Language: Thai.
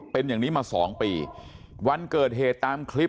เป็นอย่างนี้มาสองปีวันเกิดเหตุตามคลิป